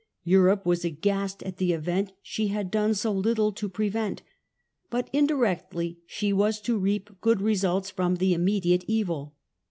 Europe was aghast at an event she had done so little to prevent ; but indirectly she was to reap good results from the immediate evil.